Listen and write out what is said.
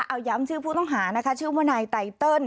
เอาย้ำชื่อผู้ต้องหานะคะชื่อว่านายไตเติล